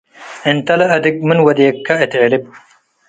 እንተ ለአድግ መን ወዴከ እት ዕልብ።